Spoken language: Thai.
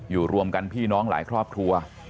รวมกันพี่น้องหลายครอบครัว